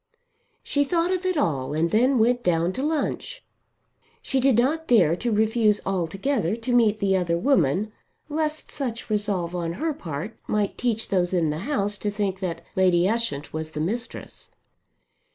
She thought of it all and then went down to lunch. She did not dare to refuse altogether to meet the other woman lest such resolve on her part might teach those in the house to think that Lady Ushant was the mistress.